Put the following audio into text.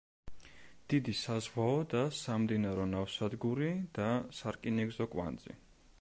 დიდი საზღვაო და სამდინარო ნავსადგური და სარკინიგზო კვანძი.